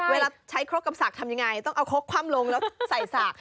เวลาใช้ครกกับสากทำยังไงต้องเอาครกคว่ำลงแล้วใส่สาก